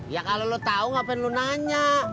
ya kalau lo tahu ngapain lu nanya